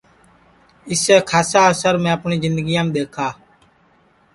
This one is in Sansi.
اِسے کھاسا اسر میں اپٹؔی جِندگیام دؔیکھا